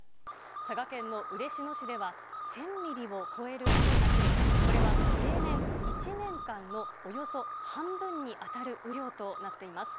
佐賀県の嬉野市では１０００ミリを超える雨が降り、これは平年１年間のおよそ半分に当たる雨量となっています。